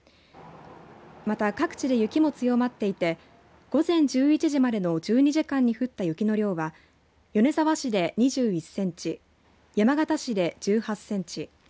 また、各地で雪も強まっていて午前１１時までの１２時間に降った雪の量は米沢市で２１センチ山形市で１８センチ